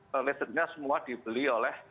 resetnya semua dibeli oleh